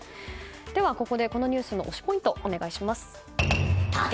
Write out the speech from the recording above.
では、ここでこのニュースの推しポイントをお願いします。